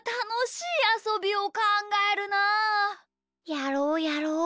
やろうやろう。